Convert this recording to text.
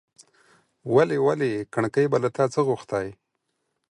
ولي! ولي! کڼکۍ به له تا څه غوښتاى ،